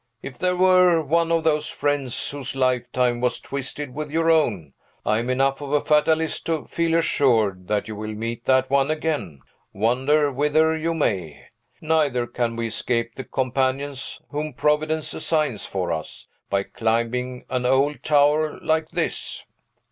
If there were one of those friends whose lifetime was twisted with your own, I am enough of a fatalist to feel assured that you will meet that one again, wander whither you may. Neither can we escape the companions whom Providence assigns for us, by climbing an old tower like this."